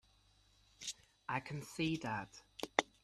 I can see that.